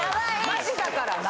マジだからな！